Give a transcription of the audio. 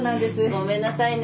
ごめんなさいね。